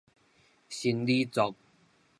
新里族